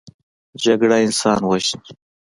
جګړه انسان وژني